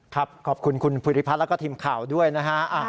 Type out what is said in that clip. ขอบคุณคุณภูริพัฒน์แล้วก็ทีมข่าวด้วยนะฮะ